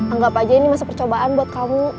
anggap aja ini masa percobaan buat kamu